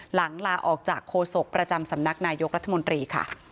หลังลาออกจากโฆษกประจำสำนักนายกรัฐมนตรีค่ะ